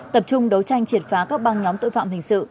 tập trung đấu tranh triệt phá các băng nhóm tội phạm hình sự